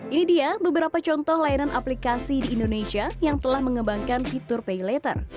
ini dia beberapa contoh layanan aplikasi di indonesia yang telah mengembangkan fitur pay later